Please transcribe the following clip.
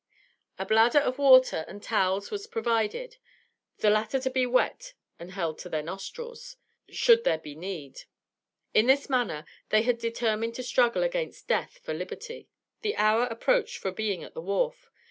A bladder of water and towels were provided, the latter to be wet and held to their nostrils, should there be need. In this manner they had determined to struggle against death for liberty. The hour approached for being at the wharf.